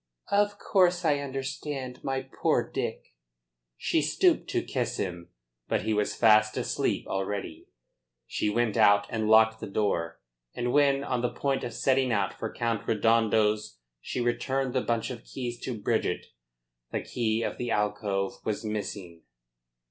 "Of course I understand, my poor Dick." She stooped to kiss him. But he was fast asleep already. She went out and locked the door, and when, on the point of setting out for Count Redondo's, she returned the bunch of keys to Bridget the key of the alcove was missing.